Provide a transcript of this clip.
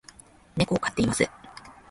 猫を飼っています